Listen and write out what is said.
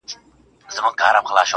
د دې نړۍ انسان نه دی په مخه یې ښه.